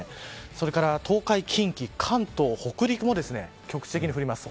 それから東海、近畿関東、北陸も局地的に降ります。